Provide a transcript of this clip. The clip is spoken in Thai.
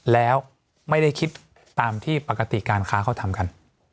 แล้วไม่ได้คิดตามที่ปกติการค้าเขาทำกัน